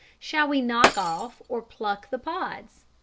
Shall we knock off or pluck the pods?